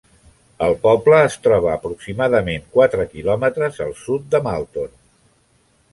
El poble es troba a aproximadament quatre quilòmetres al sud de Malton.